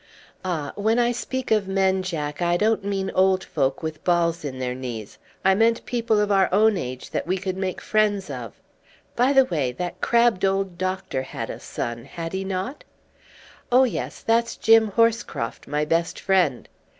"Ah, when I speak of men. Jack, I don't mean old folk with balls in their knees. I meant people of our own age that we could make friends of. By the way, that crabbed old doctor had a son, had he not?" "Oh yes, that's Jim Horscroft, my best friend."